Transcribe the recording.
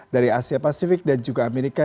dari asia pasifik dan juga amerika